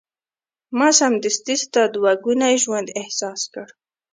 ما سمدستي ستا دوه ګونی ژوند احساس کړ.